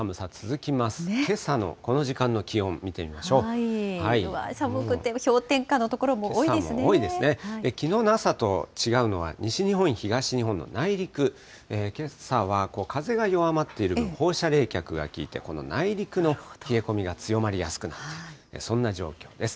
きのうの朝と違うのは西日本、東日本の内陸、けさは風が弱まっている分、放射冷却がきいてこの内陸の冷え込みが強まりやすくなっている、そんな状況です。